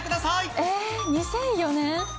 ２００４年？